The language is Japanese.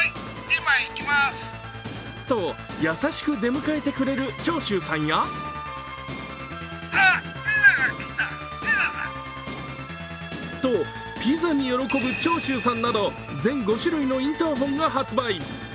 優しく出迎えてくれる長州さんやピザに喜ぶ長州さんなど全５種類が販売。